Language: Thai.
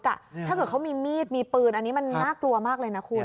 ถ้าเกิดเขามีมีดมีปืนอันนี้มันน่ากลัวมากเลยนะคุณ